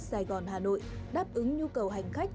sài gòn hà nội đáp ứng nhu cầu hành khách